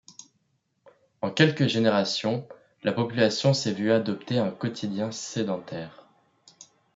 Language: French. En quelques générations, la population s'est vue adopter un quotidien sédentaire.